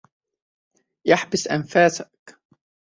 يحبس أنفاسك.